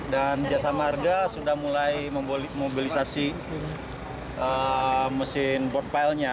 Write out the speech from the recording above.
dan jas hamarga sudah mulai memobilisasi mesin board pile nya